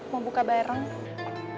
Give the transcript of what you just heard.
mau buka barang